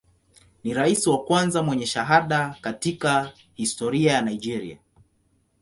Ni rais wa kwanza mwenye shahada katika historia ya Nigeria.